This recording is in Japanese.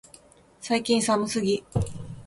最近寒すぎ、